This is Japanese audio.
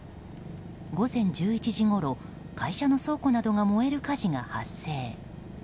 午前１１時ごろ会社の倉庫などが燃える火事が発生。